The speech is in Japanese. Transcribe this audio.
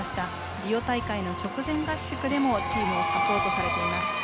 リオ大会の直前合宿でもチームをサポートされています。